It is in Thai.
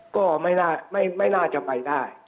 ก็ไม่น่าจะไปได้